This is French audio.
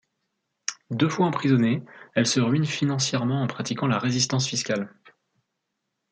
Deux fois emprisonnée, elle se ruine financièrement en pratiquant la résistance fiscale.